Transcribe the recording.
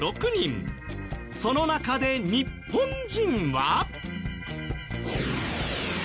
その中で日本人は。